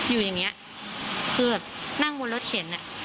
อยู่อย่างนี้คือนั่งบนรถเข็น